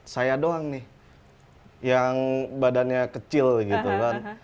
saya doang nih yang badannya kecil gitu kan